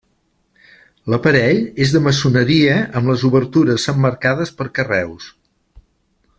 L'aparell és de maçoneria amb les obertures emmarcades per carreus.